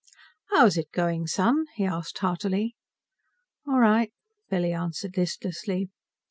"How's it going, Son?" he asked heartily. "All right," Billy answered listlessly.